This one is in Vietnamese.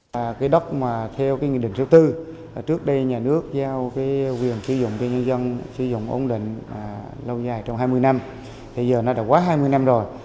cái đốc mà theo nghị định sáu mươi bốn trước đây nhà nước giao quyền sử dụng cho nhân dân sử dụng ổn định lâu dài trong hai mươi năm thì giờ nó đã quá hai mươi năm rồi